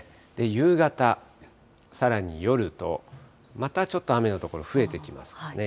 夕方、さらに夜と、またちょっと雨の所、増えてきますね。